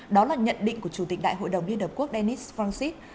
đó là nhận định của chủ tịch đại hội đồng liên hợp quốc dennis francis